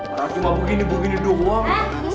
orang cuma begini begini doang